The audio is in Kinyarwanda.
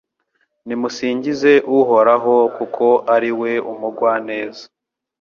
Nimusingize Uhoraho kuko ari umugwaneza